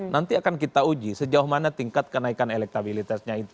nanti akan kita uji sejauh mana tingkat kenaikan elektabilitasnya itu